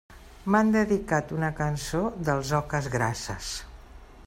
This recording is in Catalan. M'han dedicat una cançó dels Oques Grasses!